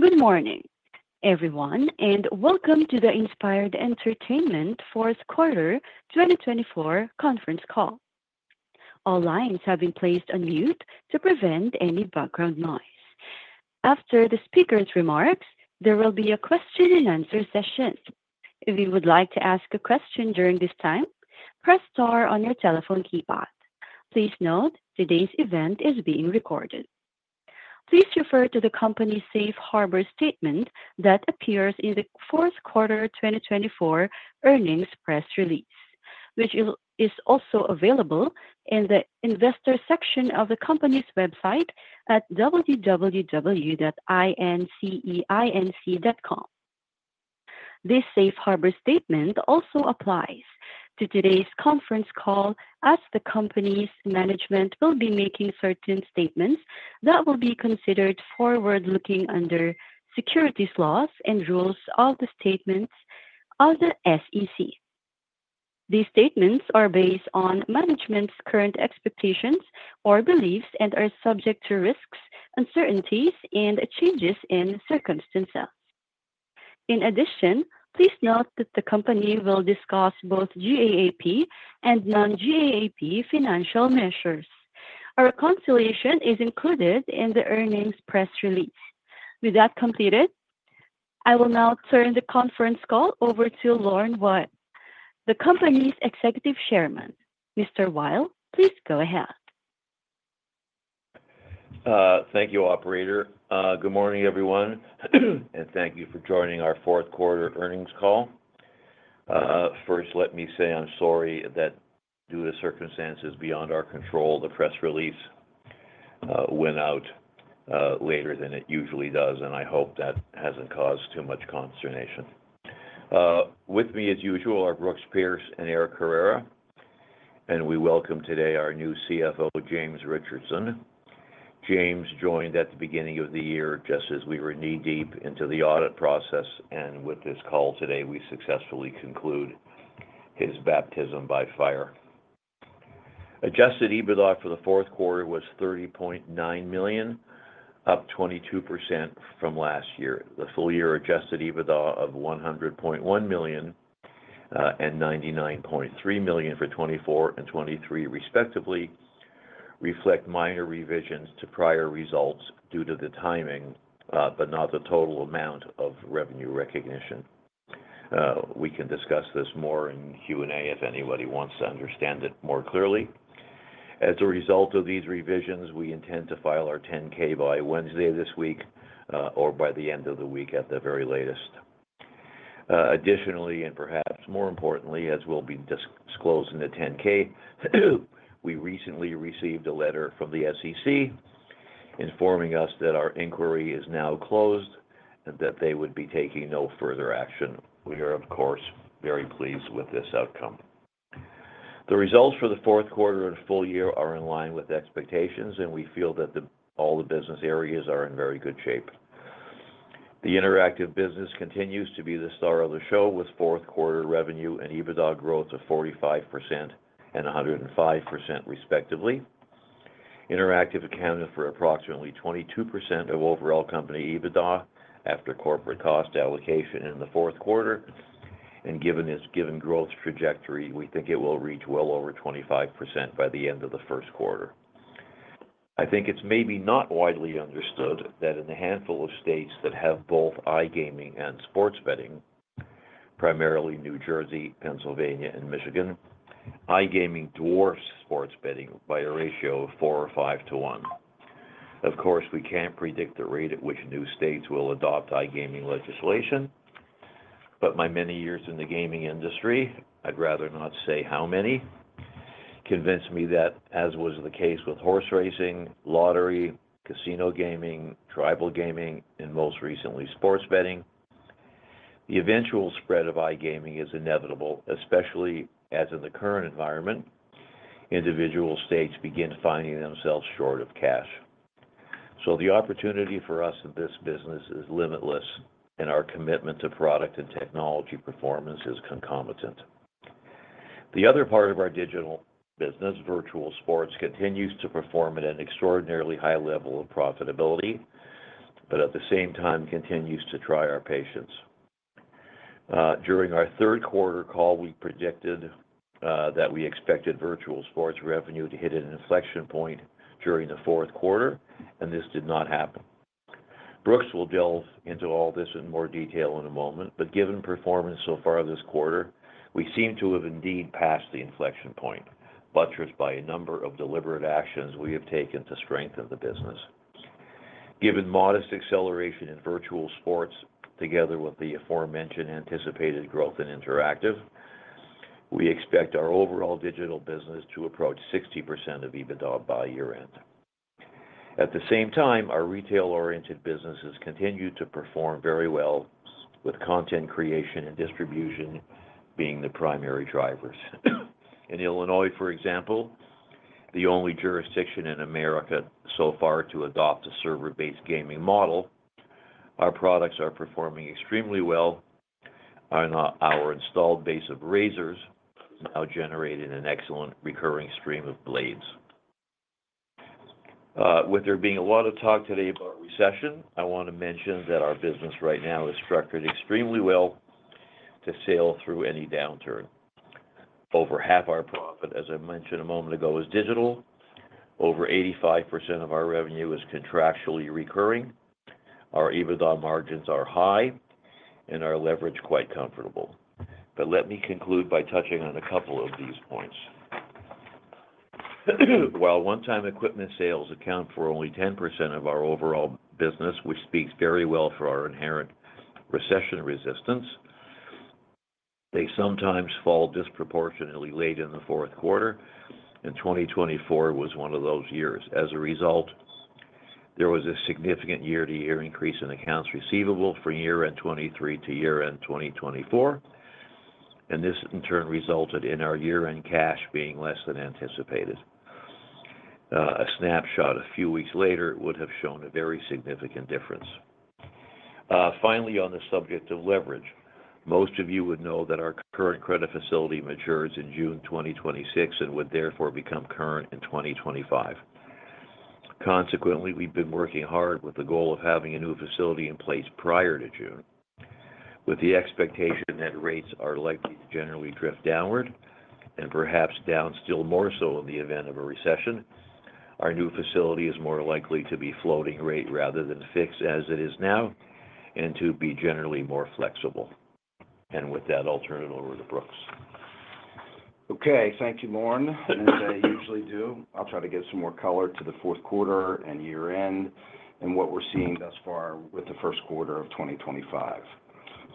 Good morning, everyone, and welcome to the Inspired Entertainment Fourth Quarter 2024 conference call. All lines have been placed on mute to prevent any background noise. After the speakers' remarks, there will be a question-and-answer session. If you would like to ask a question during this time, press star on your telephone keypad. Please note, today's event is being recorded. Please refer to the company's safe harbor statement that appears in the Fourth Quarter 2024 earnings press release, which is also available in the investor section of the company's website at www.inseinc.com. This safe harbor statement also applies to today's conference call as the company's management will be making certain statements that will be considered forward-looking under securities laws and rules of the statements of the SEC. These statements are based on management's current expectations or beliefs and are subject to risks, uncertainties, and changes in circumstances. In addition, please note that the company will discuss both GAAP and non-GAAP financial measures. Reconciliation is included in the earnings press release. With that completed, I will now turn the conference call over to Lorne Weil, the company's Executive Chairman. Mr. Weil, please go ahead. Thank you, Operator. Good morning, everyone, and thank you for joining our fourth quarter earnings call. First, let me say I'm sorry that due to circumstances beyond our control, the press release went out later than it usually does, and I hope that hasn't caused too much consternation. With me, as usual, are Brooks Pierce and Eric Carrera, and we welcome today our new CFO, James Richardson. James joined at the beginning of the year just as we were knee-deep into the audit process, and with this call today, we successfully conclude his baptism by fire. Adjusted EBITDA for the fourth quarter was $30.9 million, up 22% from last year. The full-year adjusted EBITDA of $100.1 million and $99.3 million for 2024 and 2023, respectively, reflect minor revisions to prior results due to the timing but not the total amount of revenue recognition. We can discuss this more in Q&A if anybody wants to understand it more clearly. As a result of these revisions, we intend to file our 10-K by Wednesday of this week or by the end of the week at the very latest. Additionally, and perhaps more importantly, as we will be disclosing the 10-K, we recently received a letter from the SEC informing us that our inquiry is now closed and that they would be taking no further action. We are, of course, very pleased with this outcome. The results for the fourth quarter and full year are in line with expectations, and we feel that all the business areas are in very good shape. The interactive business continues to be the star of the show with fourth-quarter revenue and EBITDA growth of 45% and 105%, respectively. Interactive accounted for approximately 22% of overall company EBITDA after corporate cost allocation in the fourth quarter, and given its given growth trajectory, we think it will reach well over 25% by the end of the first quarter. I think it's maybe not widely understood that in the handful of states that have both iGaming and sports betting, primarily New Jersey, Pennsylvania, and Michigan, iGaming dwarfs sports betting by a ratio of four or five to one. Of course, we can't predict the rate at which new states will adopt iGaming legislation, but my many years in the gaming industry—I’d rather not say how many—convinced me that, as was the case with horse racing, lottery, casino gaming, tribal gaming, and most recently sports betting, the eventual spread of iGaming is inevitable, especially as in the current environment, individual states begin finding themselves short of cash. The opportunity for us in this business is limitless, and our commitment to product and technology performance is concomitant. The other part of our digital business, virtual sports, continues to perform at an extraordinarily high level of profitability but at the same time continues to try our patience. During our third quarter call, we predicted that we expected virtual sports revenue to hit an inflection point during the fourth quarter, and this did not happen. Brooks will delve into all this in more detail in a moment, but given performance so far this quarter, we seem to have indeed passed the inflection point, buttressed by a number of deliberate actions we have taken to strengthen the business. Given modest acceleration in virtual sports together with the aforementioned anticipated growth in interactive, we expect our overall digital business to approach 60% of EBITDA by year-end. At the same time, our retail-oriented businesses continue to perform very well, with content creation and distribution being the primary drivers. In Illinois, for example, the only jurisdiction in the U.S. so far to adopt a server-based gaming model, our products are performing extremely well. Our installed base of razors now generated an excellent recurring stream of blades. With there being a lot of talk today about recession, I want to mention that our business right now is structured extremely well to sail through any downturn. Over half our profit, as I mentioned a moment ago, is digital. Over 85% of our revenue is contractually recurring. Our EBITDA margins are high, and our leverage is quite comfortable. Let me conclude by touching on a couple of these points. While one-time equipment sales account for only 10% of our overall business, which speaks very well for our inherent recession resistance, they sometimes fall disproportionately late in the fourth quarter, and 2024 was one of those years. As a result, there was a significant year-to-year increase in accounts receivable for year-end 2023 to year-end 2024, and this, in turn, resulted in our year-end cash being less than anticipated. A snapshot a few weeks later would have shown a very significant difference. Finally, on the subject of leverage, most of you would know that our current credit facility matures in June 2026 and would therefore become current in 2025. Consequently, we've been working hard with the goal of having a new facility in place prior to June, with the expectation that rates are likely to generally drift downward and perhaps down still more so in the event of a recession. Our new facility is more likely to be floating rate rather than fixed as it is now and to be generally more flexible. With that, I'll turn it over to Brooks. Okay. Thank you, Lorne, as I usually do. I'll try to give some more color to the fourth quarter and year-end and what we're seeing thus far with the first quarter of 2025.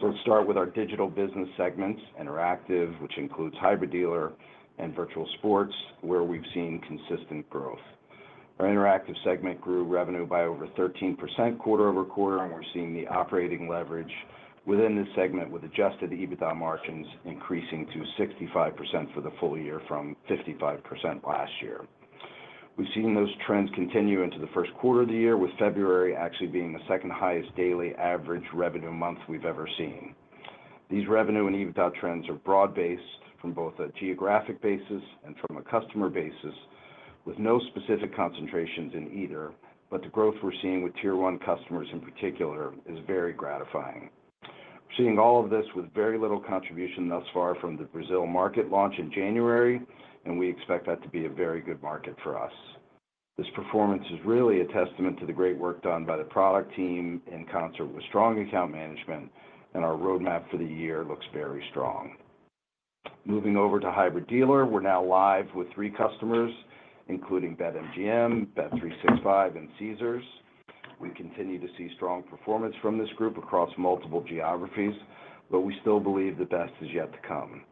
Let's start with our digital business segments, interactive, which includes hybrid dealer and virtual sports, where we've seen consistent growth. Our interactive segment grew revenue by over 13% quarter-over-quarter, and we're seeing the operating leverage within this segment with adjusted EBITDA margins increasing to 65% for the full year from 55% last year. We've seen those trends continue into the first quarter of the year, with February actually being the second highest daily average revenue month we've ever seen. These revenue and EBITDA trends are broad-based from both a geographic basis and from a customer basis, with no specific concentrations in either, but the growth we're seeing with tier one customers in particular is very gratifying. We're seeing all of this with very little contribution thus far from the Brazil market launch in January, and we expect that to be a very good market for us. This performance is really a testament to the great work done by the product team in concert with strong account management, and our roadmap for the year looks very strong. Moving over to hybrid dealer, we're now live with three customers, including BetMGM, Bet365, and Caesars. We continue to see strong performance from this group across multiple geographies, but we still believe the best is yet to come.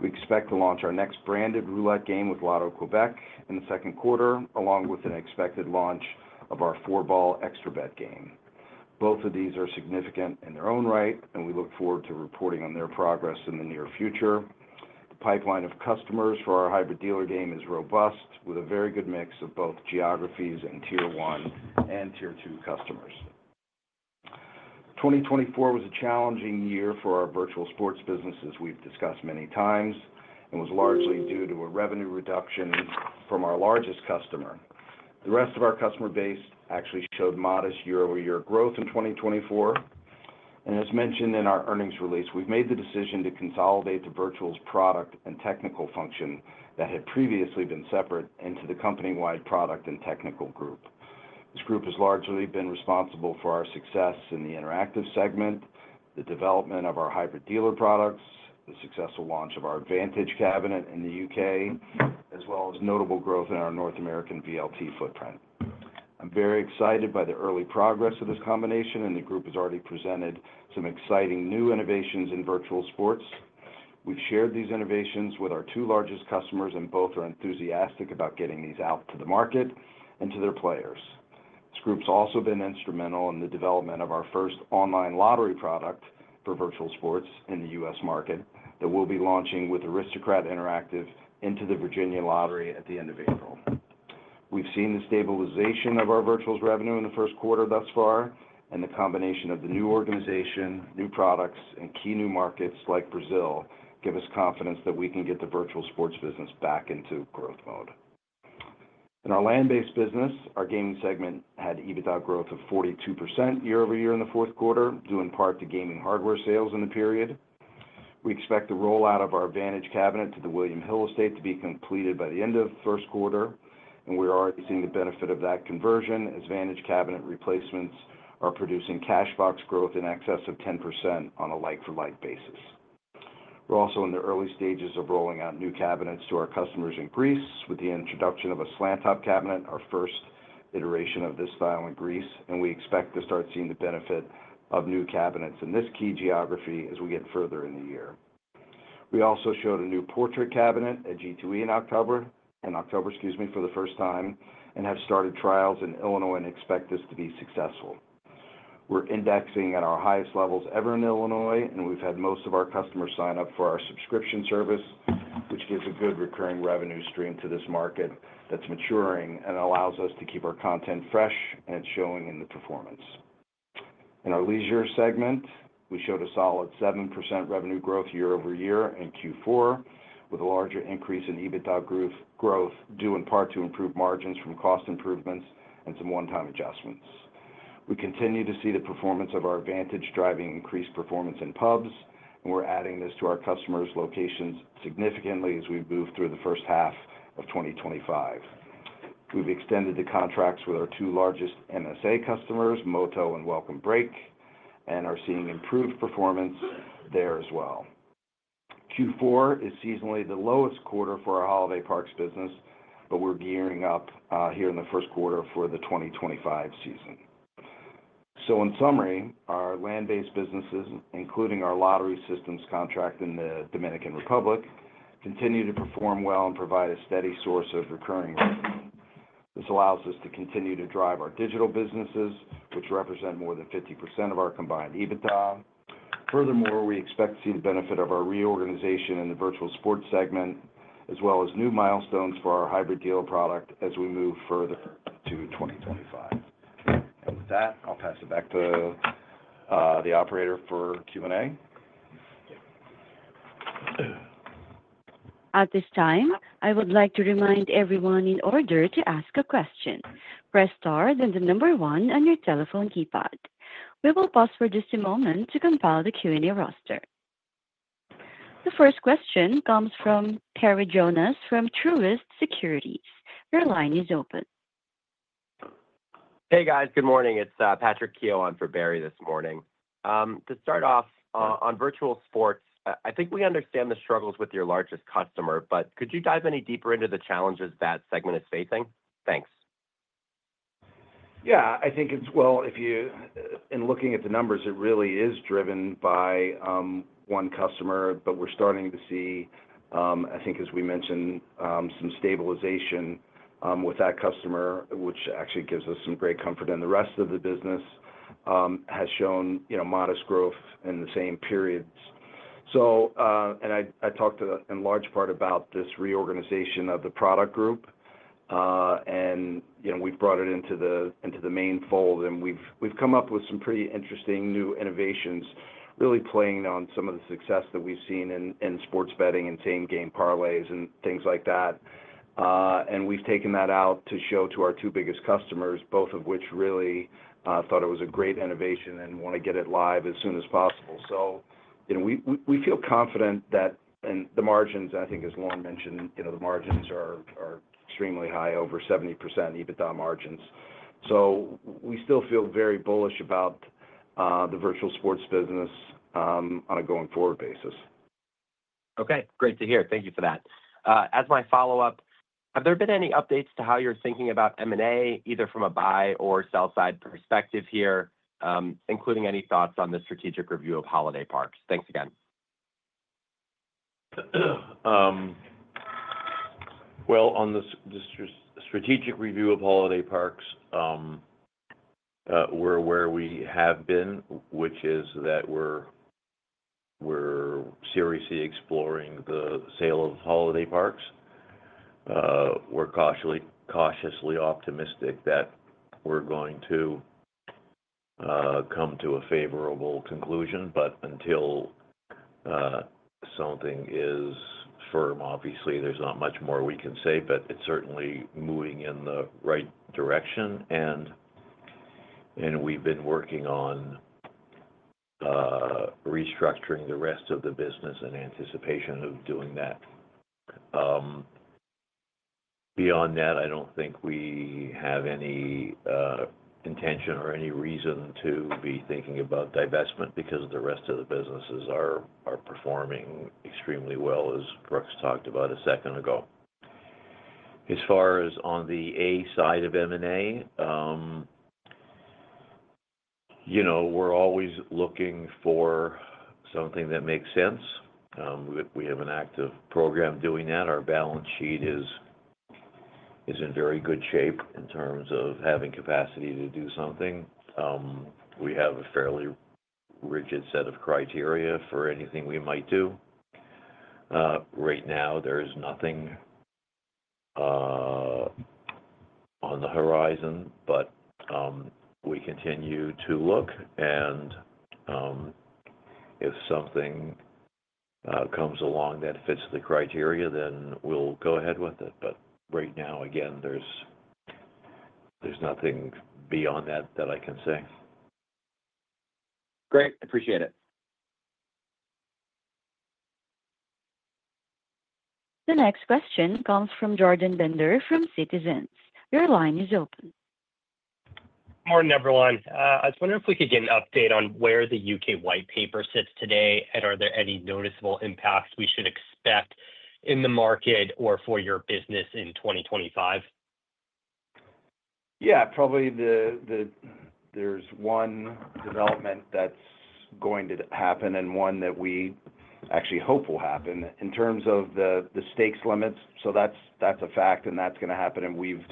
We expect to launch our next branded roulette game with Loto-Québec in the second quarter, along with an expected launch of our four-ball extra bet game. Both of these are significant in their own right, and we look forward to reporting on their progress in the near future. The pipeline of customers for our hybrid dealer game is robust, with a very good mix of both geographies and tier one and tier two customers. 2024 was a challenging year for our virtual sports business, as we've discussed many times, and was largely due to a revenue reduction from our largest customer. The rest of our customer base actually showed modest year-over-year growth in 2024. As mentioned in our earnings release, we've made the decision to consolidate the virtual's product and technical function that had previously been separate into the company-wide product and technical group. This group has largely been responsible for our success in the interactive segment, the development of our hybrid dealer products, the successful launch of our Vantage cabinet in the U.K., as well as notable growth in our North American VLT footprint. I'm very excited by the early progress of this combination, and the group has already presented some exciting new innovations in virtual sports. We've shared these innovations with our two largest customers, and both are enthusiastic about getting these out to the market and to their players. This group has also been instrumental in the development of our first online lottery product for virtual sports in the U.S. market that we'll be launching with Aristocrat Interactive into the Virginia Lottery at the end of April. We've seen the stabilization of our virtual's revenue in the first quarter thus far, and the combination of the new organization, new products, and key new markets like Brazil give us confidence that we can get the virtual sports business back into growth mode. In our land-based business, our gaming segment had EBITDA growth of 42% year-over-year in the fourth quarter, due in part to gaming hardware sales in the period. We expect the rollout of our Advantage Cabinet to the William Hill estate to be completed by the end of the first quarter, and we're already seeing the benefit of that conversion as Advantage Cabinet replacements are producing cash box growth in excess of 10% on a like-for-like basis. We're also in the early stages of rolling out new cabinets to our customers in Greece with the introduction of a slant-top cabinet, our first iteration of this style in Greece, and we expect to start seeing the benefit of new cabinets in this key geography as we get further in the year. We also showed a new portrait cabinet at G2E in October, for the first time, and have started trials in Illinois and expect this to be successful. We're indexing at our highest levels ever in Illinois, and we've had most of our customers sign up for our subscription service, which gives a good recurring revenue stream to this market that's maturing and allows us to keep our content fresh and showing in the performance. In our leisure segment, we showed a solid 7% revenue growth year-over-year in Q4, with a larger increase in EBITDA growth due in part to improved margins from cost improvements and some one-time adjustments. We continue to see the performance of our advantage driving increased performance in pubs, and we're adding this to our customers' locations significantly as we move through the first half of 2025. We've extended the contracts with our two largest MSA customers, Moto and Welcome Break, and are seeing improved performance there as well. Q4 is seasonally the lowest quarter for our holiday parks business, but we're gearing up here in the first quarter for the 2025 season. In summary, our land-based businesses, including our lottery systems contract in the Dominican Republic, continue to perform well and provide a steady source of recurring revenue. This allows us to continue to drive our digital businesses, which represent more than 50% of our combined EBITDA. Furthermore, we expect to see the benefit of our reorganization in the virtual sports segment, as well as new milestones for our hybrid dealer product as we move further into 2025. With that, I'll pass it back to the operator for Q&A. At this time, I would like to remind everyone in order to ask a question, press star then the number one on your telephone keypad. We will pause for just a moment to compile the Q&A roster. The first question comes from Barry Jonas from Truist Securities. Your line is open. Hey, guys. Good morning. It's Patrick Keough on for Barry this morning. To start off, on virtual sports, I think we understand the struggles with your largest customer, but could you dive any deeper into the challenges that segment is facing? Thanks. Yeah. I think it's, if you look at the numbers, it really is driven by one customer, but we're starting to see, I think, as we mentioned, some stabilization with that customer, which actually gives us some great comfort. The rest of the business has shown modest growth in the same periods. I talked to, in large part, about this reorganization of the product group, and we've brought it into the main fold. We've come up with some pretty interesting new innovations, really playing on some of the success that we've seen in sports betting and same-game parlays and things like that. We've taken that out to show to our two biggest customers, both of which really thought it was a great innovation and want to get it live as soon as possible. We feel confident that and the margins, I think, as Lorne mentioned, the margins are extremely high, over 70% EBITDA margins. We still feel very bullish about the virtual sports business on a going-forward basis. Okay. Great to hear. Thank you for that. As my follow-up, have there been any updates to how you're thinking about M&A, either from a buy or sell-side perspective here, including any thoughts on the strategic review of holiday parks? Thanks again. On the strategic review of holiday parks, we are where we have been, which is that we are seriously exploring the sale of holiday parks. We are cautiously optimistic that we are going to come to a favorable conclusion, but until something is firm, obviously, there is not much more we can say, but it is certainly moving in the right direction. We have been working on restructuring the rest of the business in anticipation of doing that. Beyond that, I do not think we have any intention or any reason to be thinking about divestment because the rest of the businesses are performing extremely well, as Brooks talked about a second ago. As far as on the A side of M&A, we are always looking for something that makes sense. We have an active program doing that. Our balance sheet is in very good shape in terms of having capacity to do something. We have a fairly rigid set of criteria for anything we might do. Right now, there is nothing on the horizon, we continue to look. If something comes along that fits the criteria, then we'll go ahead with it. Right now, again, there's nothing beyond that that I can say. Great. Appreciate it. The next question comes from Jordan Bender from Citizens. Your line is open. Morning, everyone. I was wondering if we could get an update on where the U.K. white paper sits today, and are there any noticeable impacts we should expect in the market or for your business in 2025? Yeah. Probably there's one development that's going to happen and one that we actually hope will happen in terms of the stakes limits. That's a fact, and that's going to happen. We've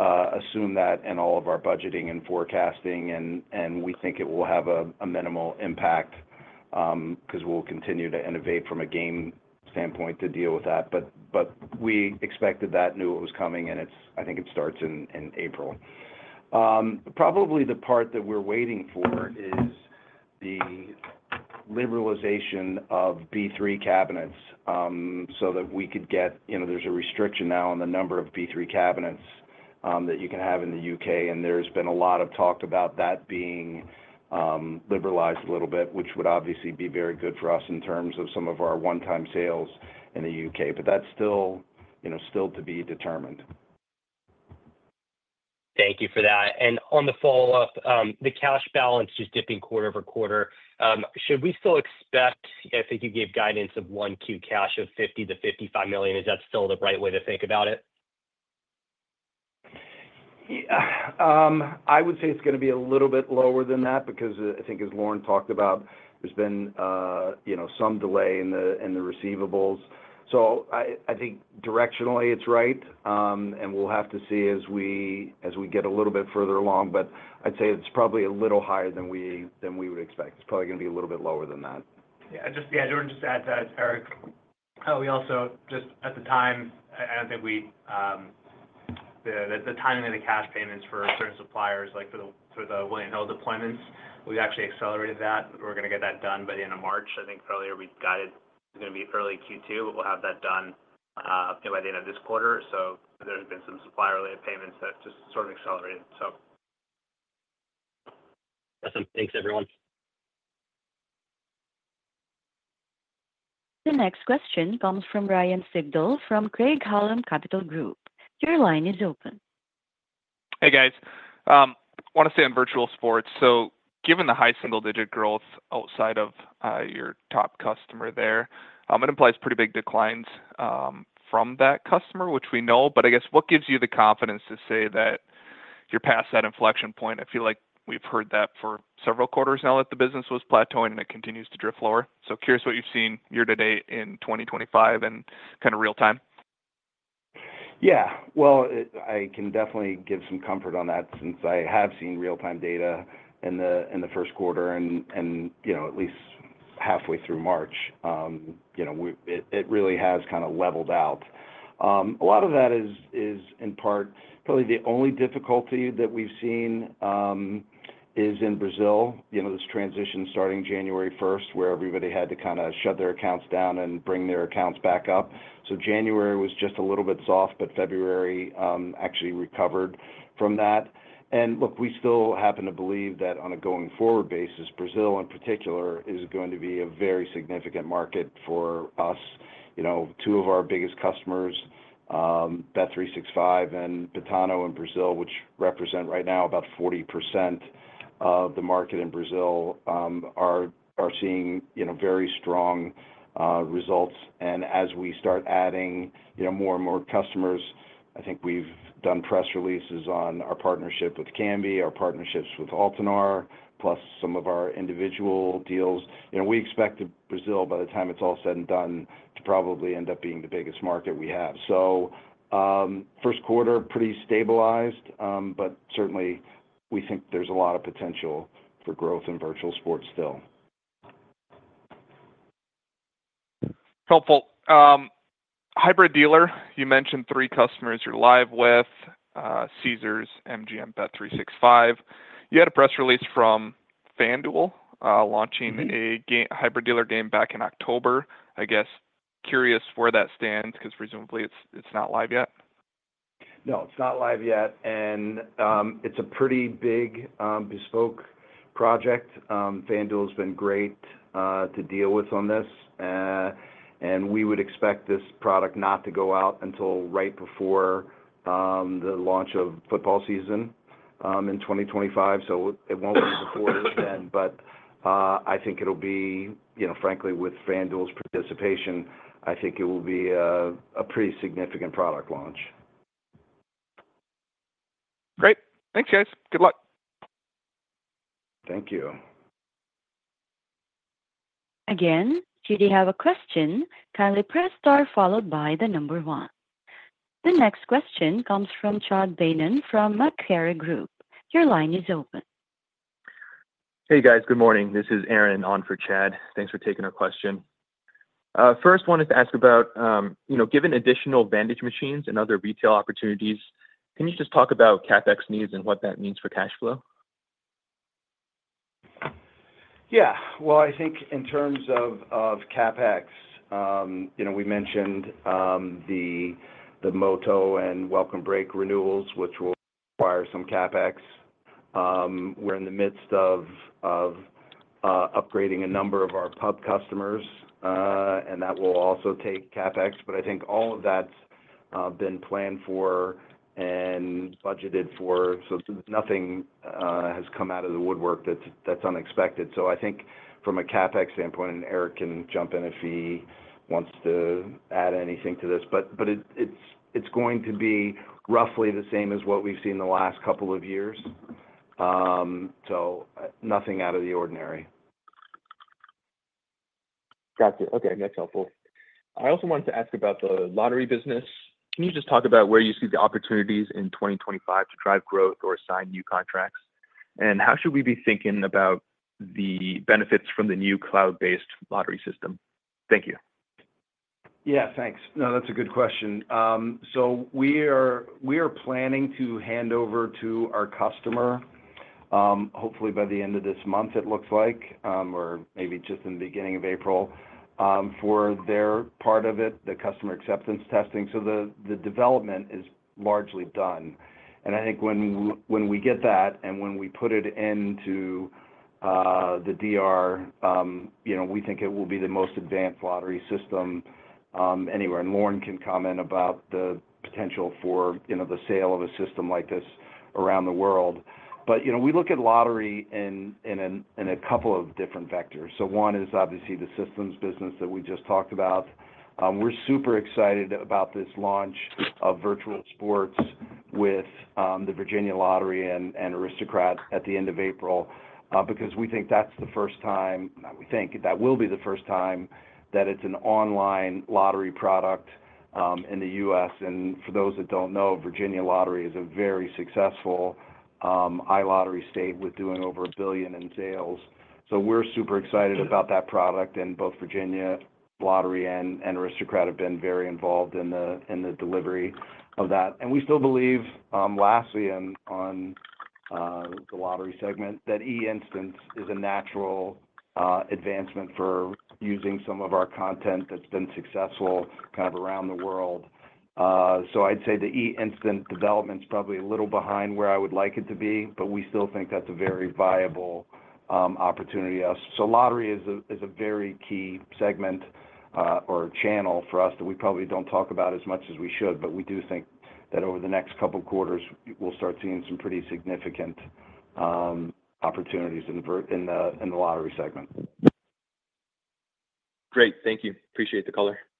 assumed that in all of our budgeting and forecasting, and we think it will have a minimal impact because we'll continue to innovate from a game standpoint to deal with that. We expected that, knew it was coming, and I think it starts in April. Probably the part that we're waiting for is the liberalization of B3 cabinets so that we could get—there's a restriction now on the number of B3 cabinets that you can have in the U.K., and there's been a lot of talk about that being liberalized a little bit, which would obviously be very good for us in terms of some of our one-time sales in the U.K. That is still to be determined. Thank you for that. On the follow-up, the cash balance is dipping quarter over quarter. Should we still expect, I think you gave guidance of Q1 cash of $50 to $55 million. Is that still the right way to think about it? I would say it's going to be a little bit lower than that because I think, as Lorne talked about, there's been some delay in the receivables. I think directionally, it's right, and we'll have to see as we get a little bit further along. I'd say it's probably a little higher than we would expect. It's probably going to be a little bit lower than that. Yeah. Just to add to that, it's Eric, we also just at the time, I do not think the timing of the cash payments for certain suppliers, like for the William Hill deployments, we have actually accelerated that. We are going to get that done by the end of March. I think earlier we guided it is going to be early Q2, but we will have that done by the end of this quarter. There have been some supplier-related payments that just sort of accelerated. Awesome. Thanks, everyone. The next question comes from Ryan Sigdahl from Craig-Hallum Capital Group. Your line is open. Hey, guys. I want to stay on virtual sports. Given the high single-digit growth outside of your top customer there, it implies pretty big declines from that customer, which we know. I guess, what gives you the confidence to say that you're past that inflection point? I feel like we've heard that for several quarters now that the business was plateauing, and it continues to drift lower. Curious what you've seen year to date in 2025 and kind of real-time. Yeah. I can definitely give some comfort on that since I have seen real-time data in the first quarter and at least halfway through March. It really has kind of leveled out. A lot of that is, in part, probably the only difficulty that we have seen is in Brazil. This transition starting January 1 where everybody had to kind of shut their accounts down and bring their accounts back up. January was just a little bit soft, but February actually recovered from that. Look, we still happen to believe that on a going-forward basis, Brazil in particular is going to be a very significant market for us. Two of our biggest customers, Bet365 and Betano in Brazil, which represent right now about 40% of the market in Brazil, are seeing very strong results. As we start adding more and more customers, I think we've done press releases on our partnership with Kambi, our partnerships with Altenar, plus some of our individual deals. We expect that Brazil, by the time it's all said and done, to probably end up being the biggest market we have. First quarter, pretty stabilized, but certainly, we think there's a lot of potential for growth in virtual sports still. Helpful. Hybrid dealer, you mentioned three customers you're live with: Caesars, MGM, Bet365. You had a press release from FanDuel launching a hybrid dealer game back in October. I guess curious where that stands because presumably it's not live yet. No, it's not live yet. It's a pretty big bespoke project. FanDuel has been great to deal with on this. We would expect this product not to go out until right before the launch of football season in 2025. It won't be before then, but I think it'll be, frankly, with FanDuel's participation, I think it will be a pretty significant product launch. Great. Thanks, guys. Good luck. Thank you. Again, if you have a question, kindly press star followed by the number one. The next question comes from Chad Beynon from Macquarie Group. Your line is open. Hey, guys. Good morning. This is Aaron on for Chad. Thanks for taking our question. First, wanted to ask about, given additional Advantage machines and other retail opportunities, can you just talk about CapEx needs and what that means for cash flow? Yeah. I think in terms of CapEx, we mentioned the Moto and Welcome Break renewals, which will require some CapEx. We're in the midst of upgrading a number of our pub customers, and that will also take CapEx. I think all of that's been planned for and budgeted for, so nothing has come out of the woodwork that's unexpected. I think from a CapEx standpoint, and Eric can jump in if he wants to add anything to this. It's going to be roughly the same as what we've seen the last couple of years. Nothing out of the ordinary. Gotcha. Okay. That's helpful. I also wanted to ask about the lottery business. Can you just talk about where you see the opportunities in 2025 to drive growth or sign new contracts? How should we be thinking about the benefits from the new cloud-based lottery system? Thank you. Yeah. Thanks. No, that's a good question. We are planning to hand over to our customer, hopefully by the end of this month, it looks like, or maybe just in the beginning of April, for their part of it, the customer acceptance testing. The development is largely done. I think when we get that and when we put it into the DR, we think it will be the most advanced lottery system anywhere. Lorne can comment about the potential for the sale of a system like this around the world. We look at lottery in a couple of different vectors. One is obviously the systems business that we just talked about. We're super excited about this launch of virtual sports with the Virginia Lottery and Aristocrat at the end of April because we think that's the first time—not we think, that will be the first time—that it's an online lottery product in the U.S. For those that don't know, Virginia Lottery is a very successful iLottery state with doing over $1 billion in sales. We're super excited about that product. Both Virginia Lottery and Aristocrat have been very involved in the delivery of that. We still believe, lastly, on the lottery segment, that e-instant is a natural advancement for using some of our content that's been successful kind of around the world. I'd say the e-instant development's probably a little behind where I would like it to be, but we still think that's a very viable opportunity to us. Lottery is a very key segment or channel for us that we probably do not talk about as much as we should, but we do think that over the next couple of quarters, we will start seeing some pretty significant opportunities in the lottery segment. Great. Thank you. Appreciate the color. No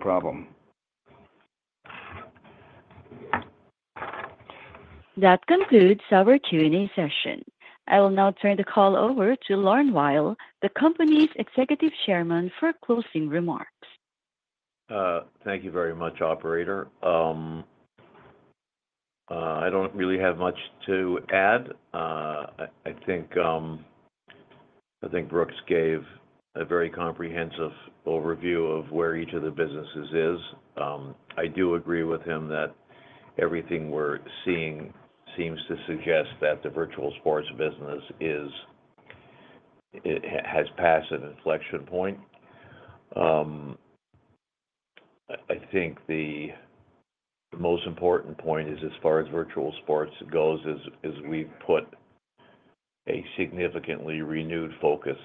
problem. That concludes our Q&A session. I will now turn the call over to Lorne Weil, the company's Executive Chairman, for closing remarks. Thank you very much, operator. I do not really have much to add. I think Brooks gave a very comprehensive overview of where each of the businesses is. I do agree with him that everything we are seeing seems to suggest that the virtual sports business has passed an inflection point. I think the most important point is, as far as virtual sports goes, we have put a significantly renewed focus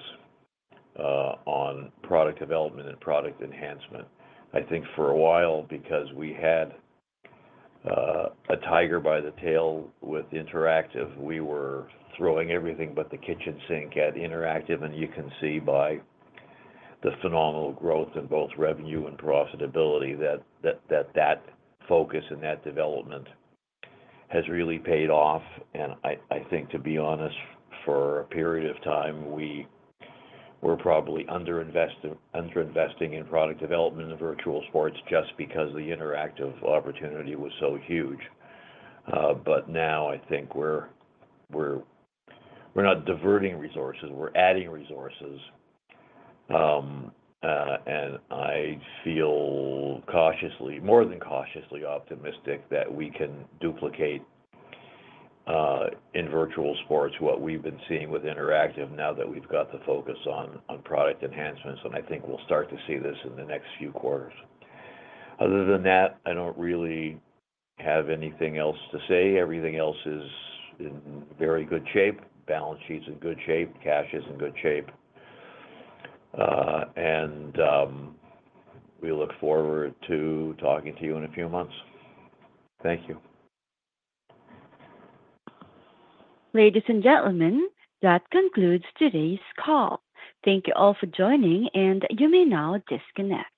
on product development and product enhancement. I think for a while, because we had a tiger by the tail with Interactive, we were throwing everything but the kitchen sink at Interactive. You can see by the phenomenal growth in both revenue and profitability that that focus and that development has really paid off. I think, to be honest, for a period of time, we were probably underinvesting in product development in virtual sports just because the interactive opportunity was so huge. Now, I think we're not diverting resources. We're adding resources. I feel cautiously, more than cautiously, optimistic that we can duplicate in virtual sports what we've been seeing with Interactive now that we've got the focus on product enhancements. I think we'll start to see this in the next few quarters. Other than that, I don't really have anything else to say. Everything else is in very good shape. Balance sheet's in good shape. Cash is in good shape. We look forward to talking to you in a few months. Thank you. Ladies and gentlemen, that concludes today's call. Thank you all for joining, and you may now disconnect.